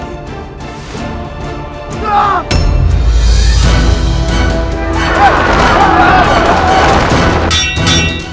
lebih mudah dari keseruanmu